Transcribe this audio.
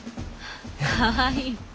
かわいい。